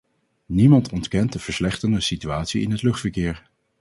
Niemand ontkent de verslechterende situatie in het luchtverkeer.